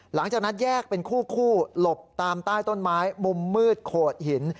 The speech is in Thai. หลังจากนั้นแยกเป็นคู่หลบตามใต้ต้นไม้มุมมืดโขดหิน